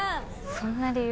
そんな理由？